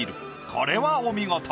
これはお見事。